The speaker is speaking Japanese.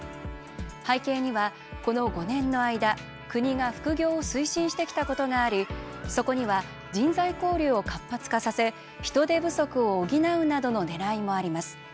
背景には、この５年の間、国が副業を推進してきたことがありそこには、人材交流を活発化させ人手不足を補うなどのねらいもあります。